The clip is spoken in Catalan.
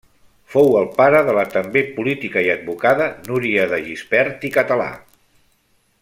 Fou el pare de la també política i advocada Núria de Gispert i Català.